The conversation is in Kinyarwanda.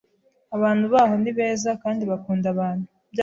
abantu baho ni beza kandi bakunda abantu